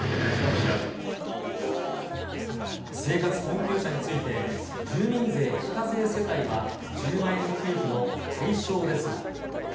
生活困窮者について、住民税非課税世帯は１０万円給付の対象ですが。